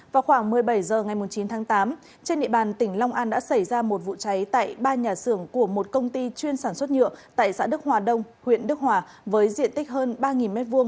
vào khoảng một mươi bảy h ngày chín tháng tám trên địa bàn tỉnh long an đã xảy ra một vụ cháy tại ba nhà xưởng của một công ty chuyên sản xuất nhựa tại xã đức hòa đông huyện đức hòa với diện tích hơn ba m hai